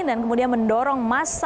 dan kemudian mendorong kembali ke negara